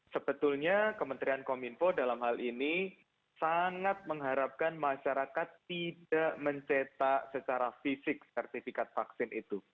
sebetulnya kementerian kominfo dalam hal ini sangat mengharapkan masyarakat tidak mencetak secara fisik sertifikat vaksin itu